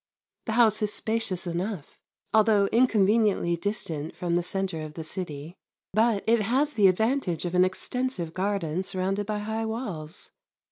The house is spacious enough, although inconveniently distant from the centre of the city, but it has the advantage of an extensive garden surrounded by high walls.